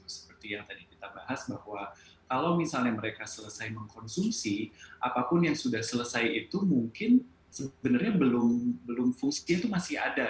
seperti yang tadi kita bahas bahwa kalau misalnya mereka selesai mengkonsumsi apapun yang sudah selesai itu mungkin sebenarnya belum fungsi